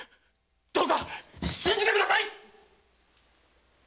どうか信じてください！